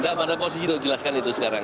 tidak ada posisi untuk jelaskan itu sekarang